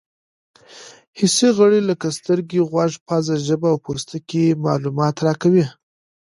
حسي غړي لکه سترګې، غوږ، پزه، ژبه او پوستکی معلومات راکوي.